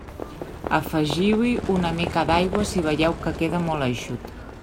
Afegiu-hi una mica d'aigua si veieu que queda molt eixut.